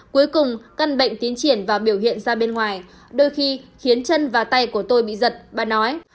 cuối cùng căn bệnh tiến triển và biểu hiện ra bên ngoài đôi khi khiến chân và tay của tôi bị giật bà nói